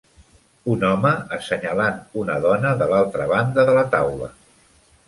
Un home assenyalant una dona de l'altra banda de la taula